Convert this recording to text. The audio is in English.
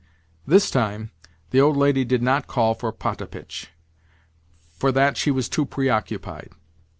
This time the old lady did not call for Potapitch; for that she was too preoccupied.